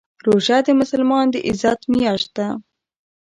روژه د مسلمان د عزت میاشت ده.